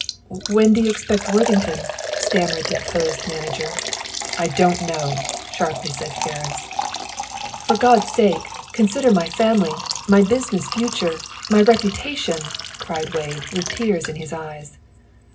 "When do you expect Worthington?" stammered the deposed manager. "I don't know," sharply said Ferris. "For God's sake, consider my family, my business future, my reputation," cried Wade, with tears in his eyes.